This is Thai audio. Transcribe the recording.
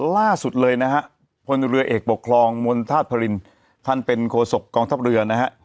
ล่าสุดเลยนะฮะพลเรือเอกปกครองมณฑาตุรินท่านเป็นโคศกกองทัพเรือนะฮะ